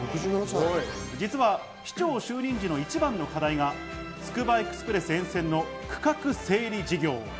実は市長就任時の一番の課題はつくばエクスプレス沿線の区画整理事業。